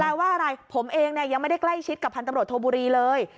แล้วว่าอะไรผมเองยังไม่ได้ใกล้ชิดกับพันธมรวชโทบุรีเลย